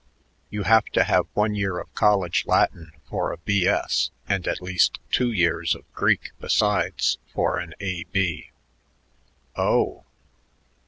"You have to have one year of college Latin for a B.S. and at least two years of Greek besides for an A.B." "Oh!"